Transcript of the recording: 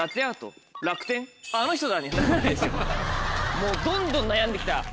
もうどんどん悩んで来た。